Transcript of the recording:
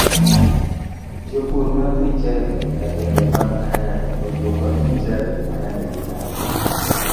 Jopur mag michele e gwenge mag ahero odiwo kod michele mayande gikayo.